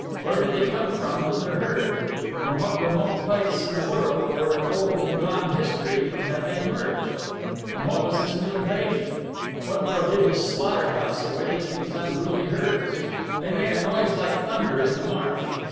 Where did they come from with their herd? From what remote place in the world or in old and gone history had they emerged? What was this new invasion? What prodigious slaughter house awaited these unruly herds? They made a noise like thunder in the marsh.